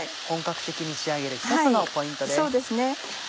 本格的に仕上げる一つのポイントです。